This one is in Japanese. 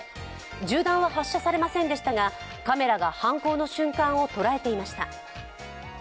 銃弾は発射されませんでしたがカメラが犯行の瞬間を捉えていました。